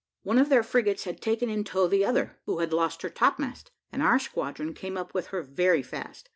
One of their frigates had taken in tow the other, who had lost her topmast, and our squadron came up with her very fast.